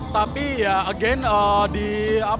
tapi ya again di apa